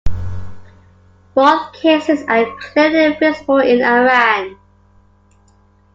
Both cases are clearly visible in Iran.